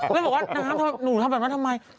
แล้วบอกว่าน้ำหนูทำแบบนั้นทำไม